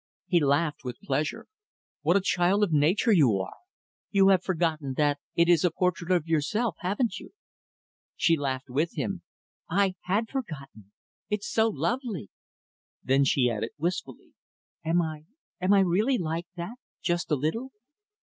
He laughed with pleasure, "What a child of nature you are! You have forgotten that it is a portrait of yourself, haven't you?" She laughed with him. "I had forgotten. It's so lovely!" Then she added wistfully, "Am I am I really like that? just a little?"